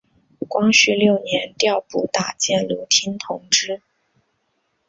光绪六年调补打箭炉厅同知。